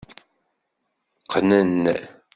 Qqnen.